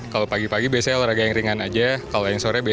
kalau pagi pagi biasanya olahraga yang ringan aja kalau yang sore biasa